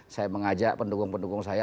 saya mengajak pendukung pendukung saya